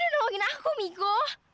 dia udah nolongin aku miko